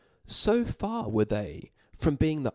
So far were they from being the